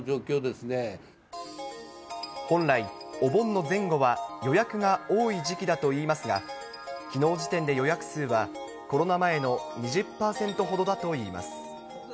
本来、お盆の前後は予約が多い時期だといいますが、きのう時点で予約数は、コロナ前の２０％ほどだといいます。